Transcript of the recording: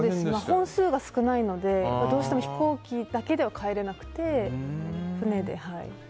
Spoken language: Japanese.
本数が少ないのでどうしても飛行機だけでは帰れなくて、船で。